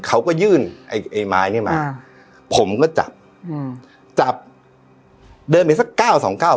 เขาก็ยื่นไอ้ไอ้ไม้เนี้ยมาอ่าผมก็จับอืมจับเดินไปสักเก้าสองเก้า